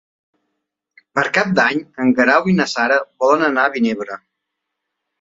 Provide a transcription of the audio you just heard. Per Cap d'Any en Guerau i na Sara volen anar a Vinebre.